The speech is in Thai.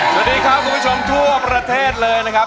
สวัสดีครับคุณผู้ชมทั่วประเทศเลยนะครับ